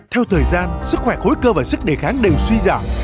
theo thời gian sức khỏe khối cơ và sức đề kháng đều suy giảm